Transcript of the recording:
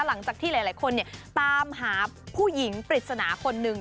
หลังจากที่หลายคนตามหาผู้หญิงปริศนาคนหนึ่ง